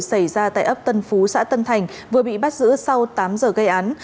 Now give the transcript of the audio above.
xảy ra tại ấp tân phú xã tân thành vừa bị bắt giữ sau tám giờ gây án